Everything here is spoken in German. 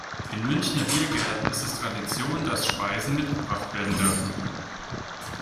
In Münchner Biergärten ist es Tradition, dass Speisen mitgebracht werden dürfen.